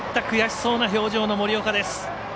悔しそうな表情の森岡です。